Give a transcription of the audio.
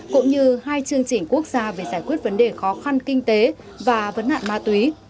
cũng như hai chương trình quốc gia về giải quyết vấn đề khó khăn kinh tế và vấn nạn ma túy